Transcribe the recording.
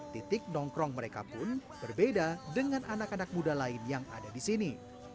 titik nongkrong mereka pun berbeda dengan anak anak muda lain yang ada di sini